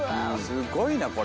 すごいなこれ。